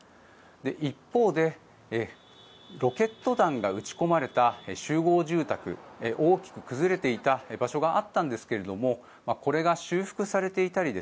一方でロケット弾が撃ち込まれた集合住宅大きく崩れていた場所があったんですがこれが修復されていたり